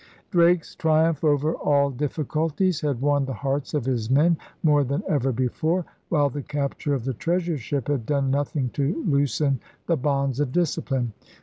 Drake's triumph over all difficulties had won the hearts of his men more than ever before, while the capture of the treasure ship had done nothing to loosen the bonds of discipline.